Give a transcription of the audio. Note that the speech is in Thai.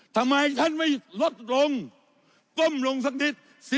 ทำไมท่านไม่ลดลงก้มลงสักนิด